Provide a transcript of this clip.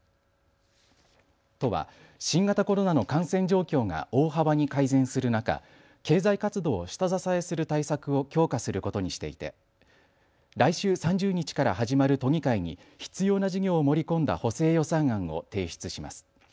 都は新型コロナの感染状況が大幅に改善する中、経済活動を下支えする対策を強化することにしていて来週３０日から始まる都議会に必要な事業を盛り込んだ補正予算案を提出します。